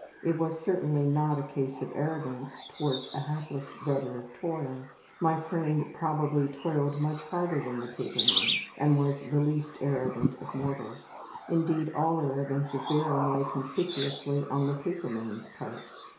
It was certainly not a case of arrogance towards a hapless brother of toil. My friend probably toiled much harder than the paperman, and was the least arrogant of mortals. Indeed, all arrogance of bearing lay conspicuously on the paperman's part.